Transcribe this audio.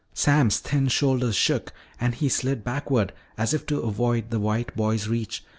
Sam's thin shoulders shook and he slid backward as if to avoid the white boy's reach.